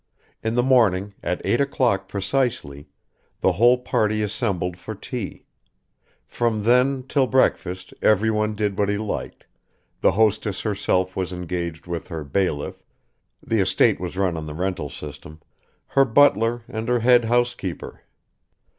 In the morning, at eight o'clock precisely, the whole party assembled for tea; from then till breakfast everyone did what he liked, the hostess herself was engaged with her bailiff (the estate was run on the rental system), her butler, and her head housekeeper.